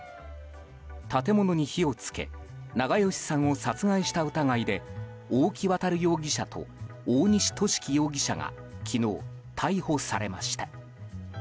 建物に火を付け長葭さんを殺害した疑いで大木渉容疑者と大西寿貴容疑者が昨日、逮捕されました。